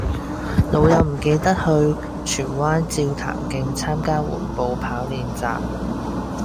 老友唔記得去荃灣照潭徑參加緩步跑練習